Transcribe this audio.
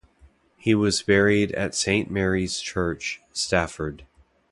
He was buried at Saint Mary's Church, Stafford.